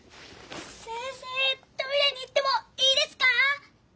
せんせいトイレに行ってもいいですか？